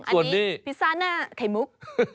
อันนี้พิซซ่าหน้าไข่มุก